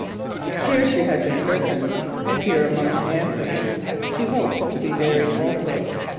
Here she had been christened, and here among her ancestors she hoped to be buried also.